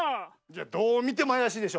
どうみてもあやしいでしょ。